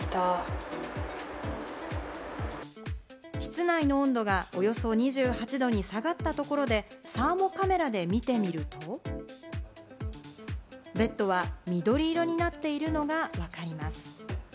室内の温度がおよそ２８度に下がったところで、サーモカメラで見てみると、ベッドは緑色になっているのがわかります。